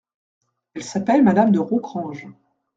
Elle s'appelle Madame de Rocrange.